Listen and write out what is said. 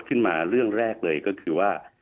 ขึ้นมาเรื่องแรกเลยก็คือว่า